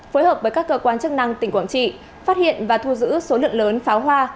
phối hợp với các cơ quan chức năng tỉnh quảng trị phát hiện và thu giữ số lượng lớn pháo hoa